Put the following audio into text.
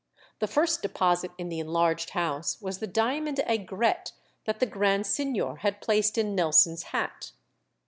The first deposit in the enlarged house was the diamond aigrette that the Grand Signor had placed in Nelson's hat.